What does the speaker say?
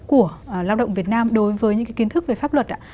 của lao động việt nam đối với những kiến thức về pháp luật ạ